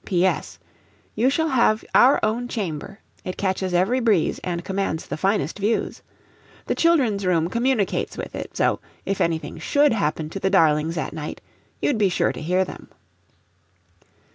P. S. You shall have our own chamber; it catches every breeze, and commands the finest views. The children's room communicates with it; so, if anything SHOULD happen to the darlings at night, you'd be sure to hear them."